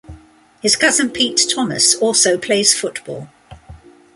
His cousin, Pete Thomas, also plays football.